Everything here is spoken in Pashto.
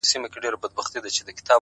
o د ميني ننداره ده ـ د مذهب خبره نه ده ـ